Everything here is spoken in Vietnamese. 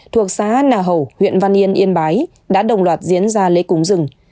thuộc xá nà hậu huyện văn yên yên bái đã đồng loạt diễn ra lễ cúng rừng